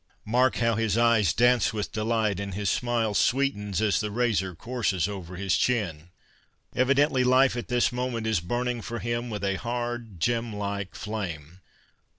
Mark liow his eyes dance with delight and his smile sweetens as the razor courses over his chin. Evidently life at this moment is burning for him with a hard gem like flame.